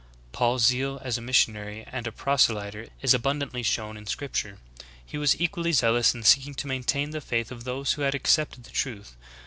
10. Paul's zeal as a missionary and a proselyter is abun dantly shown in scripture ; he was equally zealous in seek ing to maintain the faith of those who had accepted the truth.